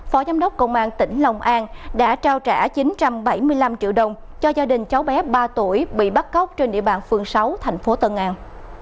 phó giám đốc công an tỉnh lòng an đã trao trả chín trăm bảy mươi năm triệu đồng cho gia đình cháu bé ba tuổi bị bắt cóc trên địa bàn phường sáu thành phố tân an